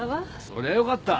そりゃあよかった。